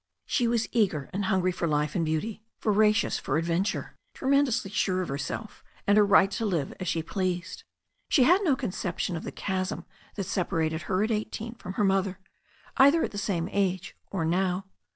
She was eager and hungry for life and beauty, voracious for adventure. THE STORY OF A NEW ZEALAND RIVER 223 tremendously sure of herself and her right to live as she pleased. She had no conception of the chasm that sep arated her at eighteen from her mother, either at the same age or now.